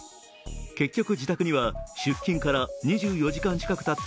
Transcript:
結局、自宅には出勤から２４時間近くたった